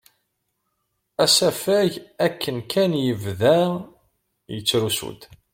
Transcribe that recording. Asafag akken kan yebda yettrusu-d.